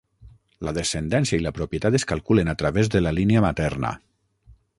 La descendència i la propietat es calculen a través de la línia materna.